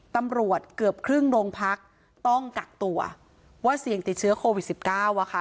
ตำรวจเกือบครึ่งโรงพักต้องกักตัวว่าเสี่ยงติดเชื้อโควิด๑๙อะค่ะ